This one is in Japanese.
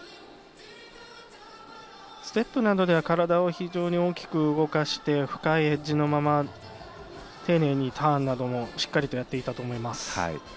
ステップなどでは体を非常に大きく動かして、深いエッジのまま丁寧にターンなどもしっかりとやっていたと思います。